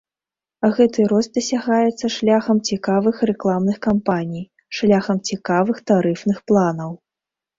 Гэты рост дасягаецца шляхам цікавых рэкламных кампаній, шляхам цікавых тарыфных планаў.